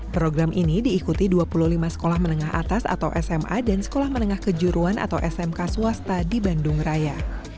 program ini diikuti dua puluh lima sekolah menengah atas atau sma dan sekolah menengah kejuruan atau smk swasta di bandung raya